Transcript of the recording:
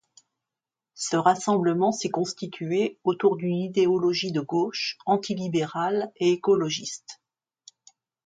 Ce rassemblement s'est constitué autour d'une idéologie de gauche, anti-libérale et écologiste.